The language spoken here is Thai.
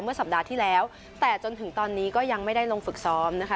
สัปดาห์ที่แล้วแต่จนถึงตอนนี้ก็ยังไม่ได้ลงฝึกซ้อมนะคะ